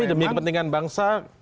tapi demi kepentingan bangsa